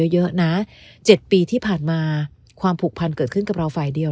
เยอะนะ๗ปีที่ผ่านมาความผูกพันเกิดขึ้นกับเราฝ่ายเดียว